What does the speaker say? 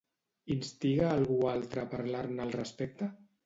Instiga a algú altre a parlar-ne al respecte?